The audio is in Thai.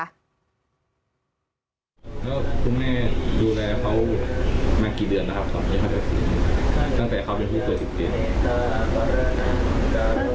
แล้วคุณแม่ดูแลเขามากี่เดือนแล้วครับตั้งแต่เขาเป็นผู้เปิดอีกเดือน